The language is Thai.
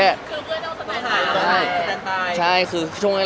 แล้วถ่ายละครมันก็๘๙เดือนอะไรอย่างนี้